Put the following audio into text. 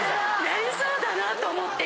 なりそうだなと思って。